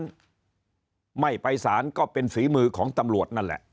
ฉะไม่ไปสารก็เป็นฝีมือของตำรวจนั่นแหละ